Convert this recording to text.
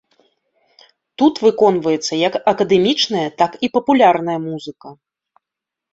Тут выконваецца як акадэмічная, так і папулярная музыка.